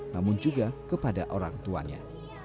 namun juga kepada orang tuanya